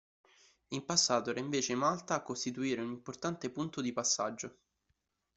In passato era invece Malta a costituire un importante punto di passaggio.